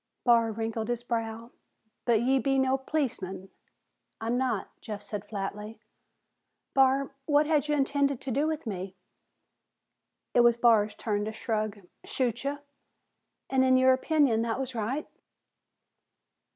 Barr wrinkled his brows. "But ye be no policeman?" "I'm not," Jeff said flatly. "Barr, what had you intended to do with me?" It was Barr's turn to shrug. "Shoot ya." "And in your opinion, that was right?"